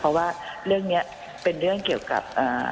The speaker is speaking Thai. เพราะว่าเรื่องนี้เป็นเรื่องเกี่ยวกับ